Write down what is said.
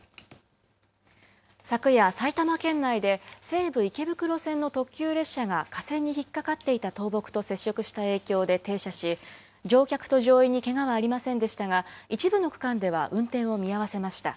昨夜、埼玉県内で西武池袋線の特急列車が架線に引っ掛かっていた倒木と接触した影響で停車し、乗客と乗員にけがはありませんでしたが、一部の区間では運転を見合わせました。